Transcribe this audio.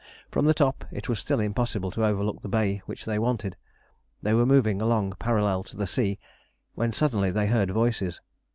From the top it was still impossible to overlook the bay which they wanted. They were moving along parallel to the sea when suddenly they heard voices.